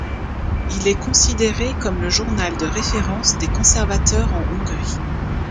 Il est considéré comme le journal de référence des conservateurs en Hongrie.